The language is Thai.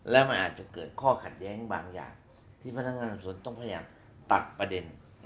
และมันอาจจะเกิดข้อขัดแย้งบางอย่างที่พนักงานสวนต้องพยายามตัดประเด็น